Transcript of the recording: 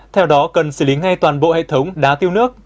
theo đó cần xử lý ngay toàn bộ hệ thống đá tiêu nước